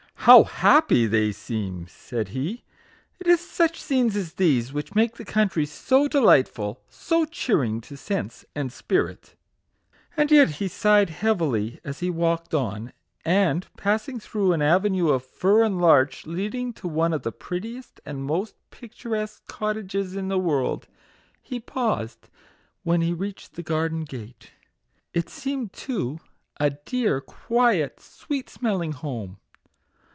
" How happy they seem \" said he. " It is such scenes as these which make the country so delightful, so cheering to sense and spirit !" And yet he sighed heavily as he walked on ; and passing through an avenue of fir and larch leading to one of the prettiest and most pic turesque cottages in the world, he paused when he reached the garden gate. It seemed, too, a dear, quiet, sweet smelling home.